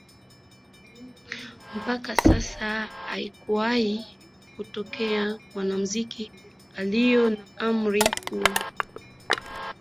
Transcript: Mpaka sasa haikuwahi kutokea mwanamuziki aliyekuwa na umri huo